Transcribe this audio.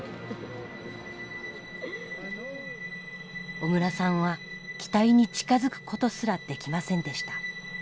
小倉さんは機体に近づくことすらできませんでした。